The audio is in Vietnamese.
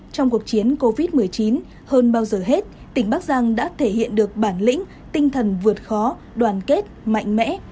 trong cuộc chiến covid một mươi chín hơn bao giờ hết tỉnh bắc giang đã thể hiện được bản lĩnh tinh thần vượt khó đoàn kết mạnh mẽ